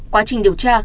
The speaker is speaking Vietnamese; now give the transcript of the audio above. quá trình điều tra